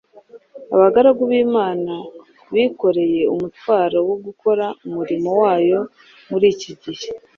Abagaragu b’imana bikoreye umutwaro wo gukora umurimo wayo muri iki gihe